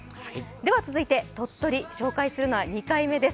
続いて鳥取、紹介するのは２回目です